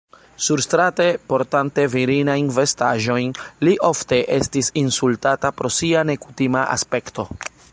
Surstrate, portante virinajn vestaĵojn, li ofte estis insultata pro sia nekutima aspekto.